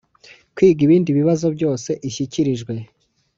Kwiga ibindi bibazo byose ishyikirijwe